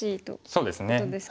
そうですね。